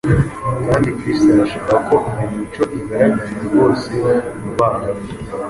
Kandi Kristo arashaka ko iyo mico igaragarira rwose mu bana be.